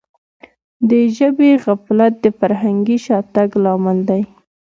د ژبي غفلت د فرهنګي شاتګ لامل دی.